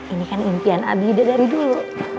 ini kan impian abi udah dari dulu